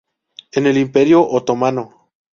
En el Imperio otomano.